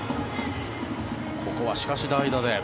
ここは、しかし代打で。